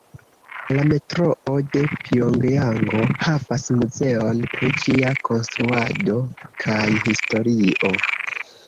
La Metroo de Pjongjango havas muzeon pri ĝia konstruado kaj historio.